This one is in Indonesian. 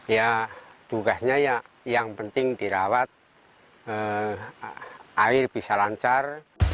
ya tugasnya ya yang penting dirawat air bisa lancar